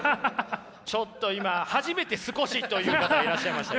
ちょっと今初めて「少し」という方いらっしゃいましたよ。